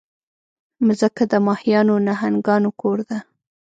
مځکه د ماهیانو، نهنګانو کور ده.